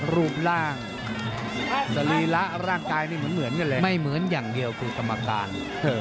รูปร่างสรีระร่างกายนี่เหมือนกันเลยไม่เหมือนอย่างเดียวคือกรรมการ